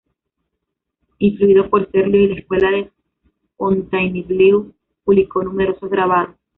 Influido por Serlio y la Escuela de Fontainebleau publicó numerosos grabados.